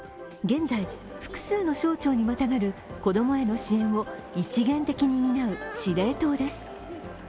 現在、複数の省庁にまたがる子供への支援を一元的に担う司令塔です。